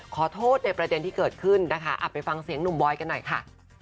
ขอโทษในประเด็นที่เกิดขึ้นนะคะไปฟังเสียงหนุ่มบอยกันหน่อยค่ะ